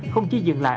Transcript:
không chỉ dừng lại